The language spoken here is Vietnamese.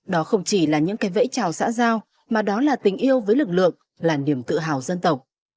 đó không chỉ là những cái vẫy chào xã giao mà đó là tình yêu với lực lượng là niềm tự hào